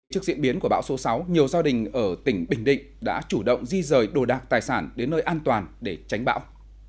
trước diễn biến của bão số sáu nhiều gia đình ở tỉnh bình định đã chủ động di rời đồ đạc tài sản đến nơi an toàn để tránh bão